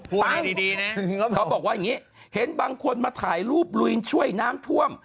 ฟังดีนะเขาบอกว่าอย่างนี้เห็นบางคนมาถ่ายรูปลุยช่วยน้ำท่วม